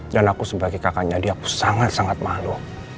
dan aku sebagai kakaknya dia aku sangat sangat malu